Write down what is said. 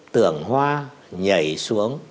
tưởng hoa nhảy xuống